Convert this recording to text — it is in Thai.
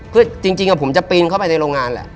คือจริงผมจะปีนเข้าไปในโรงงานแหละ